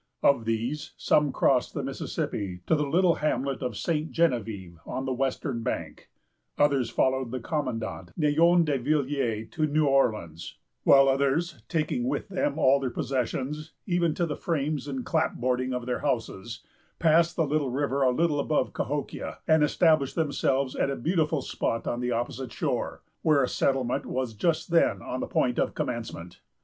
Of these, some crossed the Mississippi to the little hamlet of St. Genevieve, on the western bank; others followed the commandant, Neyon de Villiers, to New Orleans; while others, taking with them all their possessions, even to the frames and clapboarding of their houses, passed the river a little above Cahokia, and established themselves at a beautiful spot on the opposite shore, where a settlement was just then on the point of commencement.